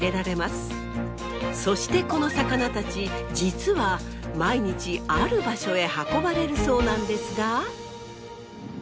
そしてこの魚たち実は毎日ある場所へ運ばれるそうなんですが。